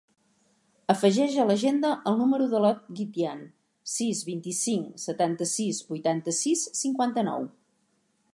Afegeix a l'agenda el número de l'Ot Guitian: sis, vint-i-cinc, setanta-sis, vuitanta-sis, cinquanta-nou.